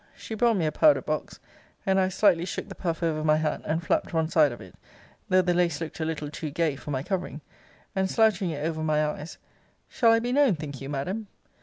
She brought me a powder box, and I slightly shook the puff over my hat, and flapt one side of it, though the lace looked a little too gay for my covering; and, slouching it over my eyes, Shall I be known, think you, Madam?